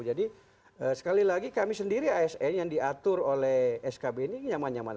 jadi sekali lagi kami sendiri asn yang diatur oleh skb ini nyaman nyaman